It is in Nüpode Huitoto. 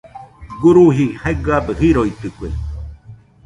Guruji jaigabɨ jiroitɨkue.